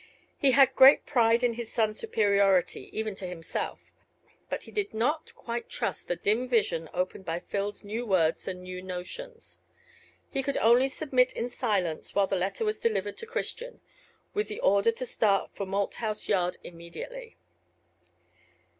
He had great pride in his son's superiority even to himself; but he did not quite trust the dim vision opened by Phil's new words and new notions. He could only submit in silence while the letter was delivered to Christian, with the order to start for Malthouse Yard immediately.